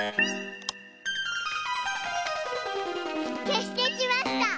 けしてきました。